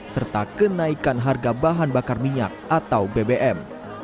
serta kenaikan harga bahan bakar minyak atau bbm